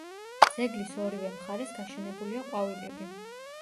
ძეგლის ორივე მხარეს გაშენებულია ყვავილები.